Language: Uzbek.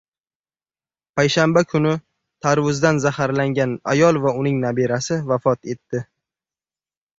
Payshanba kuni tarvuzdan zaharlangan ayol va uning nabirasi vafot etdi